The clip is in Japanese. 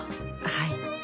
はい。